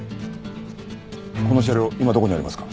この車両今どこにありますか？